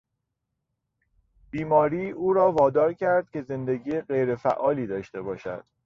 بیماری او را وادار کرد که زندگی غیرفعالی داشته باشد.